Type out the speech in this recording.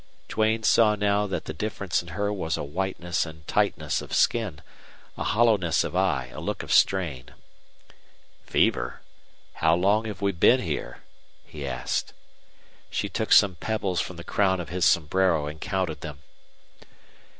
Duane saw now that the difference in her was a whiteness and tightness of skin, a hollowness of eye, a look of strain. "Fever? How long have we been here?" he asked. She took some pebbles from the crown of his sombrero and counted them.